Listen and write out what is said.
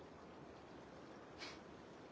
フッ。